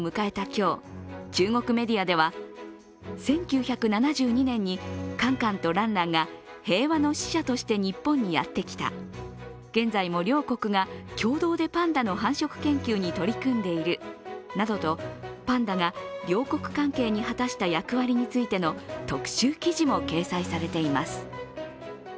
今日中国メディアでは、１９７２年にカンカンとランランが平和の使者として日本にやってきた、現在も両国が共同でパンダの繁殖研究に取り組んでいるなどとパンダが両国関係に果たした役割についての特集記事も掲載されています。